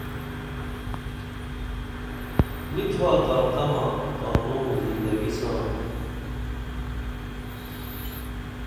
نی تھاتا تمہ تانوں زندگی ساں